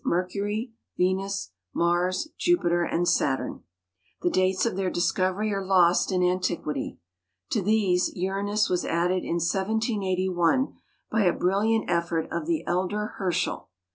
Mercury, Venus, Mars, Jupiter, and Saturn. The dates of their discovery are lost in antiquity. To these Uranus was added in 1781 by a brilliant effort of the elder Herschel.